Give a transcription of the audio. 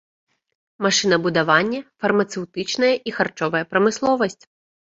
Машынабудаванне, фармацэўтычная і харчовая прамысловасць.